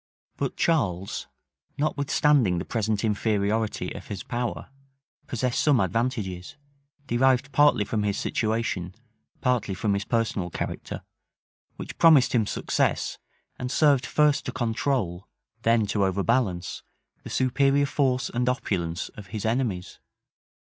But Charles, notwithstanding the present inferiority of his power, possessed some advantages, derived partly from his situation, partly from his personal character, which promised him success, and served, first to control, then to overbalance, the superior force and opulence of his enemies.